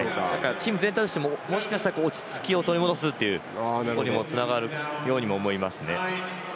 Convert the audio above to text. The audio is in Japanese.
チーム全体としてももしかしたら落ち着きを取り戻すことにもつながるように思います。